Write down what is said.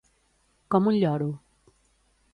Com un lloro.